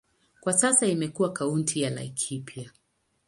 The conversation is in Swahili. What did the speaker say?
Kwa sasa imekuwa kaunti ya Laikipia.